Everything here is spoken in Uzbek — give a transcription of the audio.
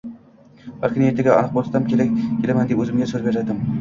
Har kuni, ertaga aniq borib kelaman, deb o`zimga so`z berardim